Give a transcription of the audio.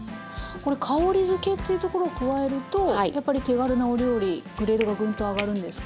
これ香りづけっていうところを加えるとやっぱり手軽なお料理グレードがぐんと上がるんですか？